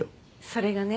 それがね